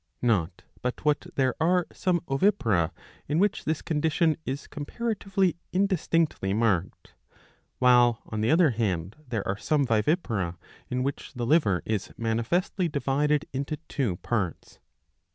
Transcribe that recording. Not but what there are some ovipara in which this condition is comparatively indistinctly marked ; while on the other hand there are some vivipara in which the liver is manifestly divided into two parts.